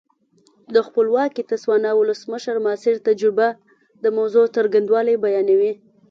د خپلواکې تسوانا ولسمشر ماسیر تجربه د موضوع څرنګوالی بیانوي.